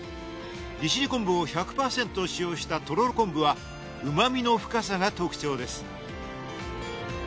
利尻昆布を１００％使用したとろろ昆布は旨味の深さが特徴です